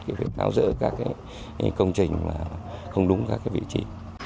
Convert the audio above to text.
việc tháo rỡ các công trình không đúng các vị trí